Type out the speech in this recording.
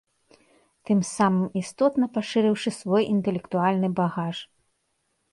Тым самым істотна пашырыўшы свой інтэлектуальны багаж.